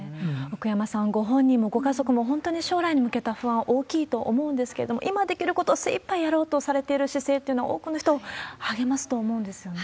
奥山さん、ご本人もご家族も、本当に将来に向けた不安、大きいと思うんですけれども、今できることを精いっぱいやろうとされてる姿勢というのは、多くの人を励ますと思うんですよね。